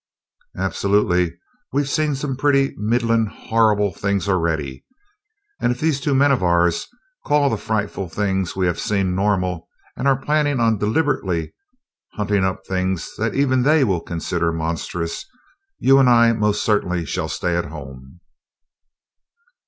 "Absolutely! We've seen some pretty middling horrible things already, and if these two men of ours call the frightful things we have seen normal, and are planning on deliberately hunting up things that even they will consider monstrous, you and I most certainly shall stay at home!"